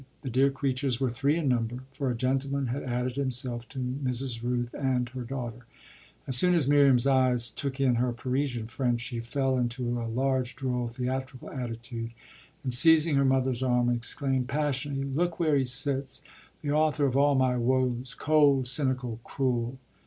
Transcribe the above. The dear creatures were three in number, for a gentleman had added himself to Mrs. Rooth and her daughter. As soon as Miriam's eyes took in her Parisian friend she fell into a large, droll, theatrical attitude and, seizing her mother's arm, exclaimed passionately: "Look where he sits, the author of all my woes cold, cynical, cruel!"